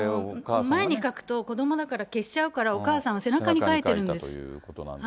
前に書くと、子どもだから消しちゃうから、お母さんは背中に書いてるんです。